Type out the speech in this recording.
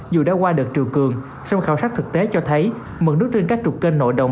dù đã qua đợt triều cường sông khảo sát thực tế cho thấy mực nước trên các trục kênh nội đồng